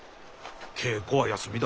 稽古は休みだ。